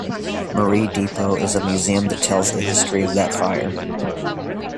Marie Depot is a museum that tells the story of that fire.